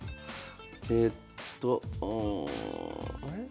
えっとうんあれ？